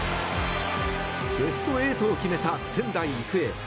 ベスト８を決めた仙台育英。